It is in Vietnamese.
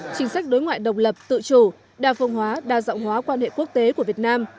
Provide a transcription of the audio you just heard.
chính sách đối ngoại độc lập tự chủ đa phương hóa đa dọng hóa quan hệ quốc tế của việt nam